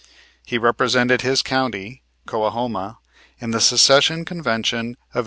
He represented his county, Coahoma, in the Secession Convention of 1861.